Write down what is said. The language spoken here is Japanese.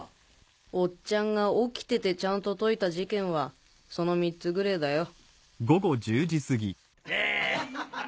おっちゃんが起きててちゃんと解いた事件はその３つぐれだよ